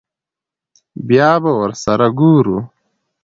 بيا به ور سره ګورو.